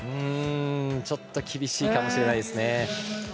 ちょっと厳しいかもしれないですね。